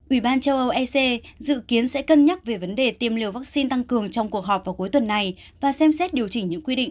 ủy ban châu âu ec dự kiến sẽ cân nhắc về vấn đề tiêm liều vaccine tăng cường trong cuộc họp vào cuối tuần này và xem xét điều chỉnh những quy định